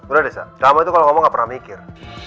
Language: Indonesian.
udah desa drama itu kalau ngomong gak pernah mikir